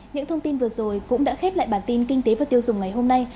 những thông tin vừa rồi cũng đã khép lại bản tin kinh tế và tiêu dùng ngày hôm nay